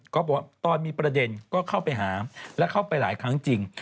บอกว่าตอนมีประเด็นก็เข้าไปหาและเข้าไปหลายครั้งจริง